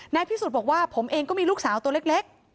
พิสูจน์บอกว่าผมเองก็มีลูกสาวตัวเล็ก